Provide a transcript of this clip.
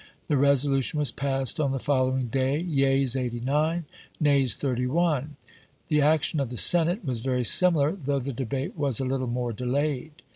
The resolution was passed on the following day (yeas, 89 ; nays, 31). The action of the Senate was very similar, though the debate was a little more delayed.